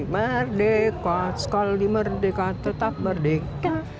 merdeka sekali di merdeka tetap merdeka